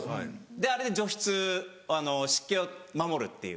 あれで除湿湿気を守るっていう。